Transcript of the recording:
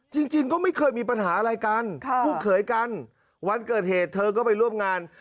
จริงก็ไม่เคยมีปัญหาอะไรกันคู่เขยกันวันเกิดเหตุเธอก็ไปร่วมงาน